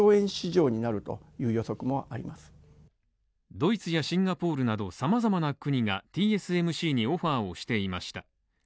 ドイツやシンガポールなど様々な国がＴＳＭＣにオファーをしていました。